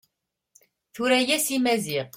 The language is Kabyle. Tura-yas i Maziɣ.